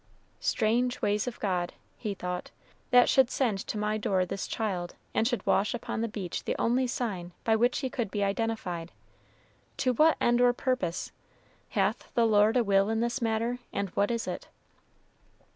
"Strange ways of God," he thought, "that should send to my door this child, and should wash upon the beach the only sign by which he could be identified. To what end or purpose? Hath the Lord a will in this matter, and what is it?"